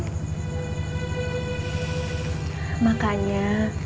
jangan sampai kamu melawan ibu